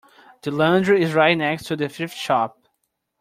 The laundry is right next to the thrift shop.